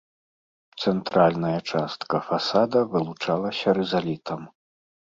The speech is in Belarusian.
Цэнтральная частка фасада вылучалася рызалітам.